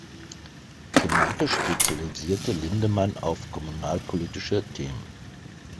Thematisch spezialisierte Lindemann auf kommunalpolitische Themen.